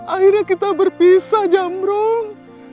akhirnya kita berpisah jamrong